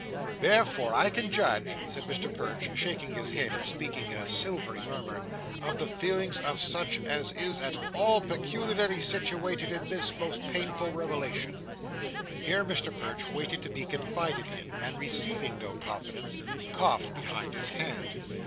"Therefore I can judge," said Mr Perch, shaking his head and speaking in a silvery murmur, "of the feelings of such as is at all peculiarly sitiwated in this most painful rewelation." Here Mr Perch waited to be confided in; and receiving no confidence, coughed behind his hand.